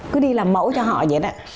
cứ đi làm mẫu cho họ vậy đó